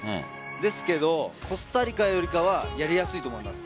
ですがコスタリカよりかはやりやすいと思います。